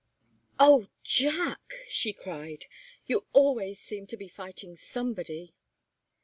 "Oh, Jack!" she cried. "You always seem to be fighting somebody!"